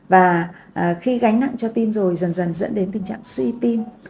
và khi gánh nặng cho tim rồi dần dần dẫn đến tình trạng suy tim